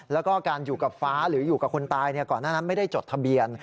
แล้วก็การอยู่กับฟ้าหรืออยู่กับคนตายก่อนหน้านั้นไม่ได้จดทะเบียน